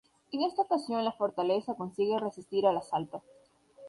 En esa ocasión la fortaleza consigue resistir al asalto.